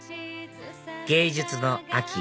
芸術の秋